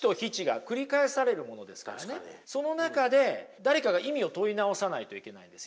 その中で誰かが意味を問い直さないといけないんですよね。